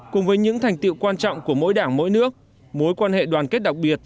cùng với những thành tiệu quan trọng của mỗi đảng mỗi nước mối quan hệ đoàn kết đặc biệt